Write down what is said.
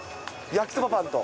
焼きそばパンと。